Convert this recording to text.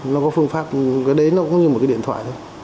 nó có phương pháp cái đấy nó cũng như một cái điện thoại thôi